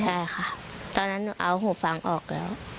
ใช่ค่ะตอนนั้นหนูเอาหูฟังออกแล้ว